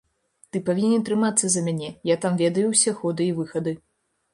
Ты павінен трымацца за мяне, я там ведаю ўсе ходы і выхады.